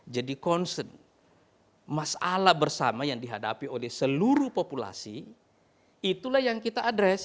jadi concern masalah bersama yang dihadapi oleh seluruh populasi itulah yang kita address